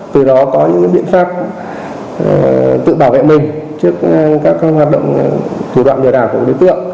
từ đó có những biện pháp tự bảo vệ mình trước các hoạt động thủ đoạn lừa đảo của đối tượng